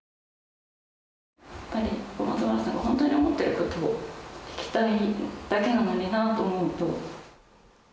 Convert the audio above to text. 小松原さんがほんとに思ってることを聞きたいだけなのになと思うと。